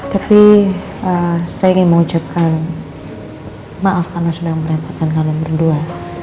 tapi saya ingin mengucapkan maaf karena sudah merepotkan kalian berdua